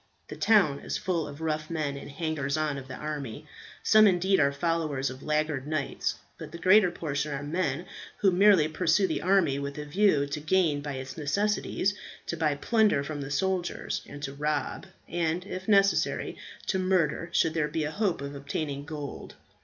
The town is full of rough men, the hangers on of the army; some, indeed, are followers of laggard knights, but the greater portion are men who merely pursue the army with a view to gain by its necessities, to buy plunder from the soldiers, and to rob, and, if necessary, to murder should there be a hope of obtaining gold.